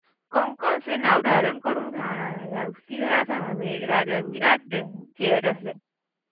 कंक असे नाव धारण करून राहाणार् या युधिष्ठिरासमवेत राजा विराट द्युत खेळत असे.